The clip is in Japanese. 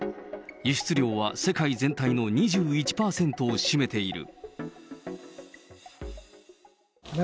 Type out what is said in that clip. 輸出量は世界全体の２１％を占めている。